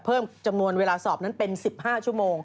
เพิ่มจำนวนเวลาสอบนั้นเป็น๑๕ชั่วโมง